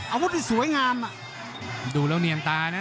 อาวุธจะสวยงามดูแล้วเหนียมตานะ